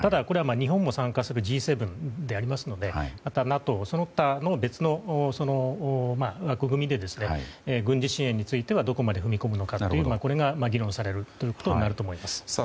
これは日本も参加するＧ７でありますのでまた、ＮＡＴＯその他、別の枠組みで軍事支援についてはどこまで踏み込むのかこれが議論されることになります。